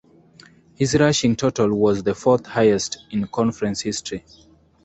His rushing total was the fourth highest in conference history.